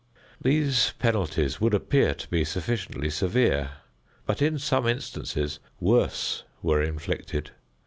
These penalties would appear to be sufficiently severe, but in some instances worse were inflicted.